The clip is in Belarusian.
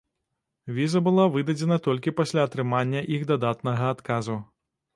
Віза была выдадзена толькі пасля атрымання іх дадатнага адказу.